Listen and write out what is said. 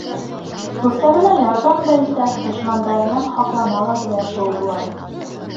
Дуҫтарына ярҙам да итә, дошмандарынан һаҡлана ла белә шул улар.